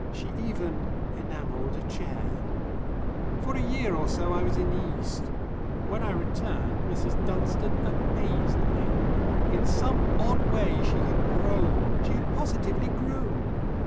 She even enamelled a chair. For a year or so I was in the East. When I returned Mrs. Dunstone amazed me. In some odd way she had grown, she had positively grown.